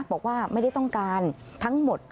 บอกว่าไม่ได้ต้องการทั้งหมด